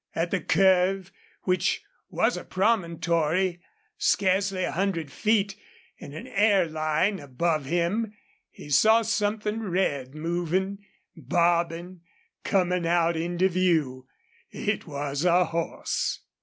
At the curve, which was a promontory, scarcely a hundred feet in an airline above him, he saw something red moving, bobbing, coming out into view. It was a horse.